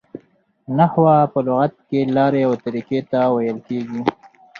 نحوه په لغت کښي لاري او طریقې ته ویل کیږي.